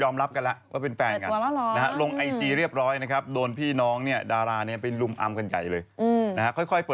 ไม่สวยด้วยนะก็เดินเฉย